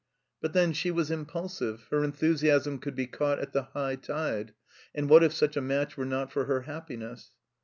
But then she was impulsive, her enthusiasm could be caught at the high tide, and what if such a match were not for her happiness